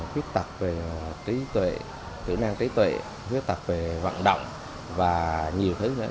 khuyết tật về trí tuệ kỹ năng trí tuệ khuyết tật về vận động và nhiều thứ nữa